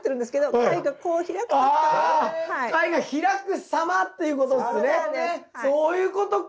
そういうことか。